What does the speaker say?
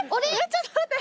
ちょっと待って！